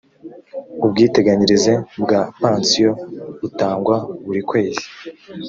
ubwiteganyirize bwa pansiyo butangwa buri kwezi